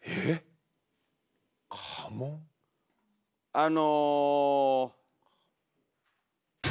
あの。